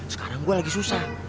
sekarang gue lagi susah